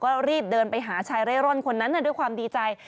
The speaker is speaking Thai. ก็รีบเดินไปหาชายเร่ร่อนคนนั้นด้วยความดีใจ